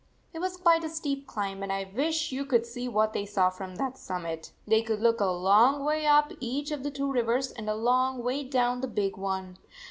It was quite a steep climb, and I wish you could see what they saw from that summit. They could look a long way up each of the two rivers and a long way down the big one.